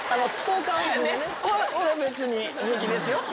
「俺別に平気ですよ」